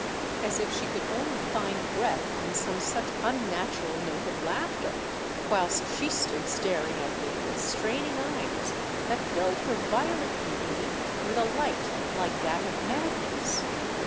as if she could only find breath in some such unnatural note of laughter, whilst she stood staring at me with straining eyes that filled her violet beauty with a light like that of madness.